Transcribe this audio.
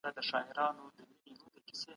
ايا انلاين درس پر برېښنايي وسايلو ولاړ وي؟